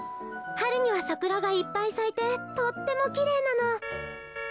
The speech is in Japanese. はるにはさくらがいっぱいさいてとってもきれいなの。